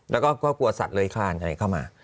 แล้วก็กลัวสัตว์เลยคลานอะไรเข้ามา